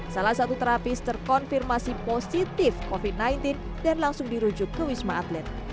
salah satu terapis terkonfirmasi positif covid sembilan belas dan langsung dirujuk ke wisma atlet